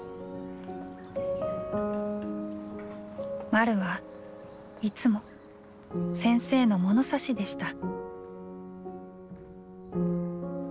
まるはいつも先生の「ものさし」でした。